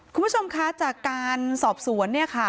คุณผู้ชมคะจากการสอบสวน